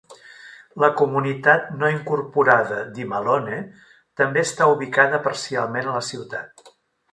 La comunitat no incorporada d'Imalone també està ubicada parcialment a la ciutat.